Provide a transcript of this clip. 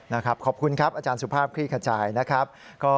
นะครับขอบคุณครับอาจารย์สุภาพคลี่ขจายนะครับ